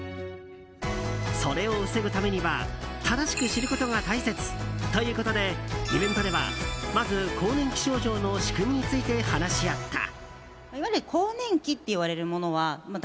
それを防ぐためには正しく知ることが大切ということでイベントでは、まず更年期症状の仕組みについて話し合った。